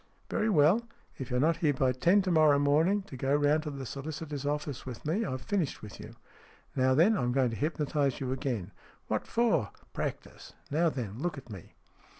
" Very well. If you're not here by ten to morrow morning to go round to the solicitor's office with me, I've finished with you. Now then, I'm going to hypnotize you again." "What for?" " Practice. Now then, look at me."